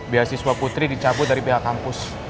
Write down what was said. beasiswa putri dicabut dari pihak kampus